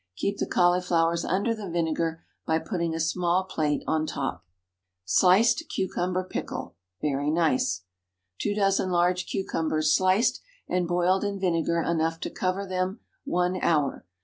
Keep the cauliflowers under the vinegar by putting a small plate on top. SLICED CUCUMBER PICKLE. (Very nice.) 2 dozen large cucumbers, sliced, and boiled in vinegar enough to cover them, one hour.